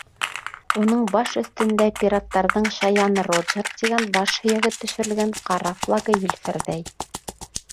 Уның баш өҫтөндә пираттарҙың «Шаян Роджер» тигән баш һөйәге төшөрөлгән ҡара флагы елферҙәй.